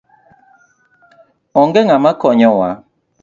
Onge ng'ama konyo waa